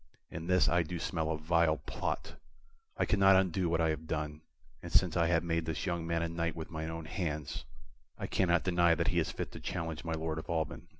In this I do smell a vile plot. I cannot undo what I have done, and since I have made this young man a knight with mine own hands, I cannot deny that he is fit to challenge my Lord of Alban.